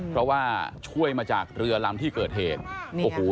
เพราะว่าช่วยมาจากเรือลำที่เกิดเหตุโอ้โห